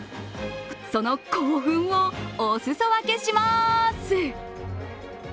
その興奮をお裾分けします。